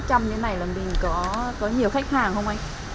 khách châm như thế này là mình có có nhiều khách hàng không anh